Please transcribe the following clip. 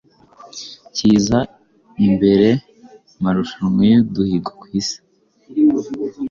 kiza imbere marushannwa y'uduhigo kwisi